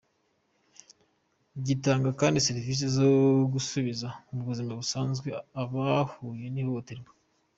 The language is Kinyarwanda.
Gitanga kandi serivise zo gusubiza mu buzima busanzwe abahuye n’ihohoterwa.